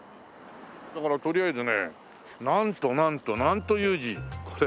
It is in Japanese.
だからとりあえずねなんとなんと南都雄二。